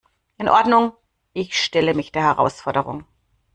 In Ordnung, ich stelle mich der Herausforderung.